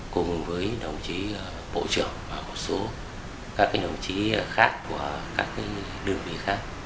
cùng với đồng chí bộ trưởng và một số các đồng chí khác của các đơn vị khác